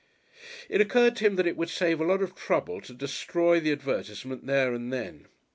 It occurred to him that it would save a lot of trouble to destroy the advertisement there and then.